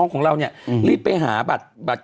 เขารับมา๗๐บาท